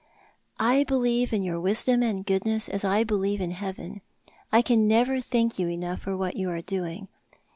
" I believe in your wisdom and goodness as I believe in Heaven. I can never thank you enough for what you are doing.